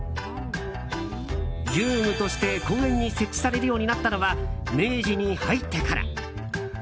遊具として、公園に設置されるようになったのは明治に入ってから。